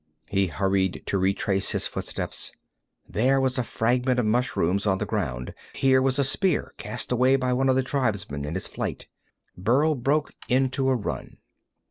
He hurried to retrace his footsteps. There was a fragment of mushrooms on the ground. Here was a spear, cast away by one of the tribesmen in his flight. Burl broke into a run.